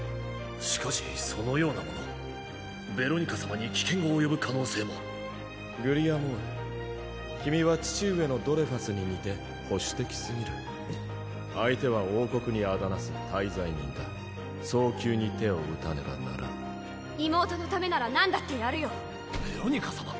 しかしそのようなものベロニカ様に危険が及ぶ可能性もグリアモール君は父上のドレファスに似て保守的すぎるくっ相手は王国に仇なす大罪人だ早急に手を打たねばならん妹のためならなんだってやベロニカ様！